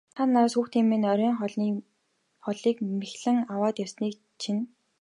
Та надаас хүүхдүүдийн минь оройн хоолыг мэхлэн аваад явсныг чинь.